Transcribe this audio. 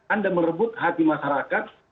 anda merebut hati masyarakat